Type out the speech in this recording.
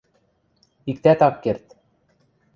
Иктӓт ак керд.